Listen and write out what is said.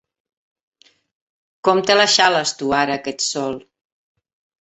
Com te la xales, tu, ara que ets sol!